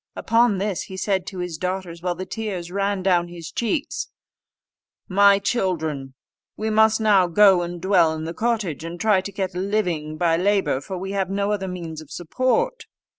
Upon this he said to his daughters, while the tears ran down his cheeks, "My children, we must now go and dwell in the cottage, and try to get a living by labour, for we have no other means of support."